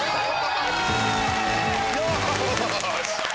よし！